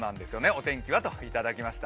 お天気はといただきました。